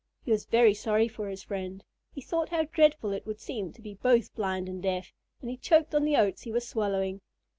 He was very sorry for his friend. He thought how dreadful it would seem to be both blind and deaf, and he choked on the oats he was swallowing.